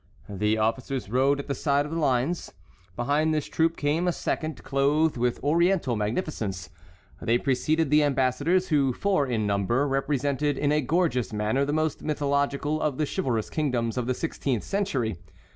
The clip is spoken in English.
The officers rode at the side of the lines. Behind this troop came a second, clothed with Oriental magnificence. They preceded the ambassadors, who, four in number, represented in a gorgeous manner the most mythological of the chivalrous kingdoms of the sixteenth century.